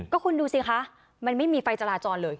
ก็คุณดูสิคะมันไม่มีไฟจราจรเลย